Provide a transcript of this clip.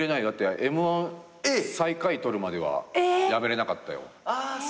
だってＭ−１最下位取るまでは辞めれなかったよ。